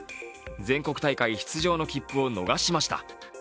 全国大会出場の切符を逃しました。